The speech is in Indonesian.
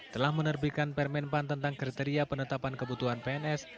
telah menerbitkan permen pan tentang kriteria penetapan kebutuhan pns